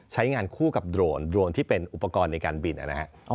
ใช้งานคู่กับโดรนโดรนที่เป็นอุปกรณ์ในการบินนะครับ